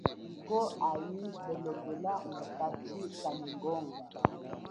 Yikwo, iyi holokela mukachi kamingonga.